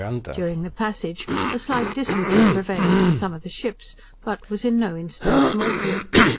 During the passage, a slight dysentery prevailed in some of the ships, but was in no instance mortal.